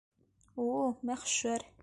У-у, мәхшәр!